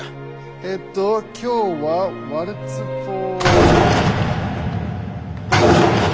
えっと今日は「ワルツ・フォー」。